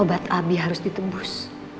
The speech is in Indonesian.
obat abi harus ditembus